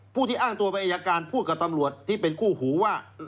ผู้ที่อ้างตัวเป็นอายการพูดกับตำรวจที่เป็นคู่หูว่า